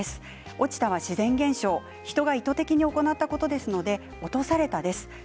落ちたは自然現象人が意図的に行ったことですので落とされたんです。